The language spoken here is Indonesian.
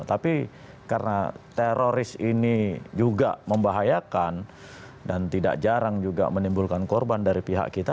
tapi karena teroris ini juga membahayakan dan tidak jarang juga menimbulkan korban dari pihak kita